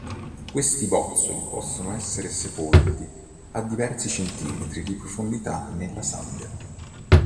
Questi bozzoli possono essere sepolti a diversi centimetri di profondità nella sabbia.